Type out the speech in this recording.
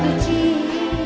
untuk agar waar